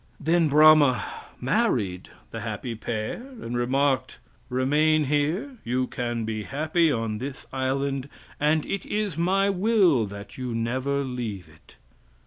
Then Brahma married the happy pair, and remarked: "Remain here; you can be happy on this island, and it is my will that you never leave it."